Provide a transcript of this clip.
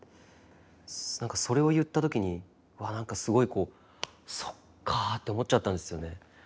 何かそれを言った時にわっ何かすごいこう「そっかぁ」って思っちゃったんですよね。